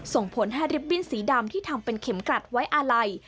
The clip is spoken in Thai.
ส่งผลให้ริบบิ้นสีดำที่ทำเป็นเข็มกลัดไว้อาลัย